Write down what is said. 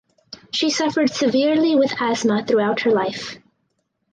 She suffered severely with asthma throughout her life.